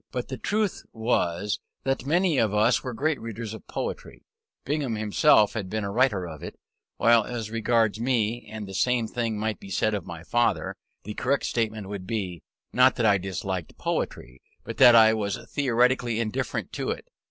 But the truth was that many of us were great readers of poetry; Bingham himself had been a writer of it, while as regards me (and the same thing might be said of my father), the correct statement would be, not that I disliked poetry, but that I was theoretically indifferent to it.